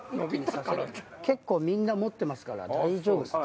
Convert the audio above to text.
結構みんな持ってますから大丈夫っすかね。